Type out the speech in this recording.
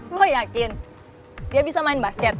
lo yakin dia bisa main basket